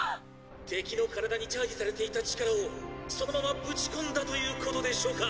「敵の体にチャージされていた力をそのままぶち込んだということでしょうか。